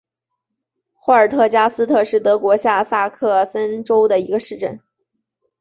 霍尔特加斯特是德国下萨克森州的一个市镇。